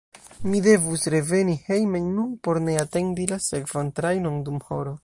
Mi devus reveni hejmen nun por ne atendi la sekvan trajnon dum horo.